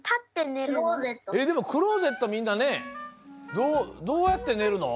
えっでもクローゼットみんなねどうやって寝るの？